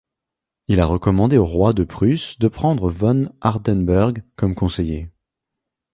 Il a recommandé au roi de Prusse de prendre von Hardenberg comme conseiller.